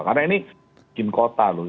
karena ini bikin kota loh